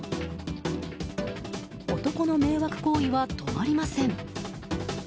男の迷惑行為は止まりません。